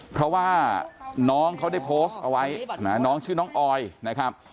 เพราะว่าน้องเขาได้โพสต์เอาไว้น้องชื่อน้องออยนะครับ